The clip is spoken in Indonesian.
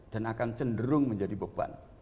dan akan cenderung menjadi beban